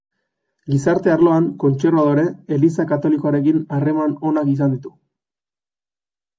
Gizarte arloan kontserbadore, Eliza Katolikoarekin harreman onak izan ditu.